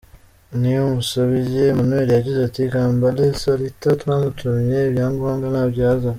Niyomusabye Emmanuel yagize ati: “Kambale Salita twamutumye ibyangombwa ntabyo yazanye.